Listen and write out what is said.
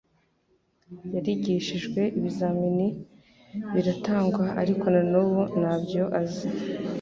yarigishijwe ibizamini biratangwa ariko nanubu nyabyo azi